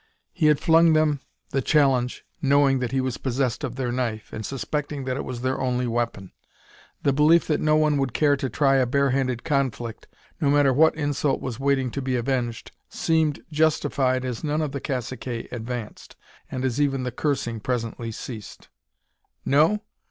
He had flung them the challenge, knowing that he was possessed of their knife, and suspecting that it was their only weapon. The belief that no one would care to try a barehanded conflict, no matter what insult was waiting to be avenged, seemed justified as none of the caciques advanced, and as even the cursing presently ceased. "No?"